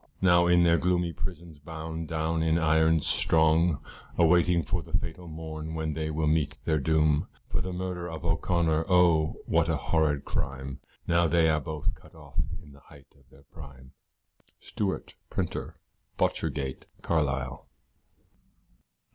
Now in their gloomy prisons bound down in irons strong, Awaiting for the fatal morn when they will meet their doom, For the murder of O'Connor oh! what a horrid crime, Now they are both cut off in the height of their prime. Stewart, Printer, Botchergate, Carlisle.